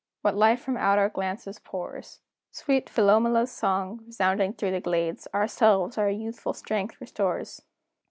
What life from out our glances pours! Sweet Philomela's song, resounding through the glades, Ourselves, our youthful strength restores!